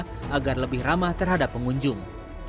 untuk mengatasi ramah terhadap pengunjung